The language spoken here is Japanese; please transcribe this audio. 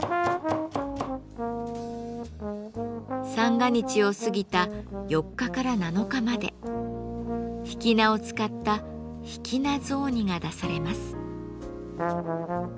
三が日を過ぎた４日から７日までひきなを使ったひきな雑煮が出されます。